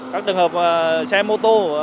các trường hợp xe mô tô